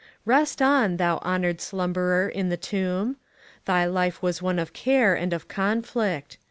Rest on, thou honored slumberer in the tomb ! Thy life was one of care and of conflict.